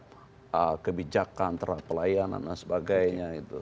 terhadap kebijakan terhadap pelayanan dan sebagainya gitu